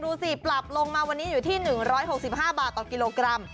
ดูสิปรับลงมาค่อนข้างคือ๑๖๕บาทตัวกิโลกรัม